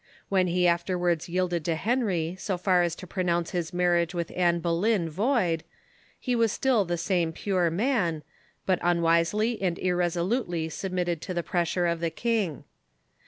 When he afterwards yielded to Henry so far as to pro nounce his marriage Avith Anne Boleyn void, he was still the same pure man, but unwisely and irresolutely submitted to the pressure of the king.